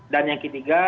dan yang ketiga